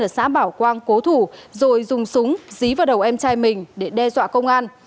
ở xã bảo quang cố thủ rồi dùng súng dí vào đầu em trai mình để đe dọa công an